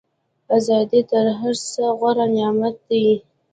ازادي تر هر څه غوره نعمت دی.